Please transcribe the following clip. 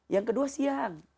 yang kedua siang